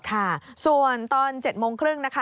ค่ะส่วนตอน๗โมงครึ่งนะคะ